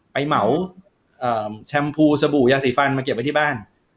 เหมาแชมพูสบู่ยาสีฟันมาเก็บไว้ที่บ้าน